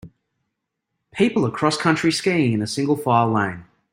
People are crosscountry skiing in a single file line.